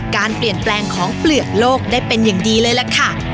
การเปลี่ยนแปลงของเปลือกโลกได้เป็นอย่างดีเลยล่ะค่ะ